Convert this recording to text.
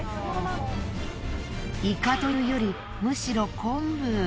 イカというよりむしろ昆布。